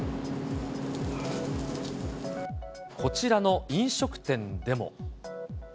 こちらの飲食店でも。